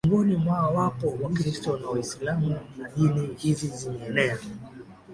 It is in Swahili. Miongoni mwao wapo Wakristo na Waislamu na dini hizi zimeenea